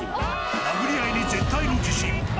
殴り合いに絶対の自信。